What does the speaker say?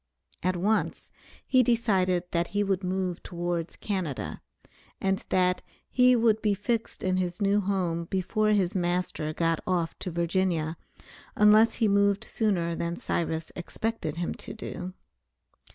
At once, he decided that he would move towards Canada, and that he would be fixed in his new home before his master got off to Virginia, unless he moved sooner than Cyrus expected him to do.